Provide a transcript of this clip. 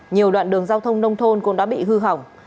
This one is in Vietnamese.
nhiều đoạn đường giao thông nông thôn cũng đã bị hư hỏng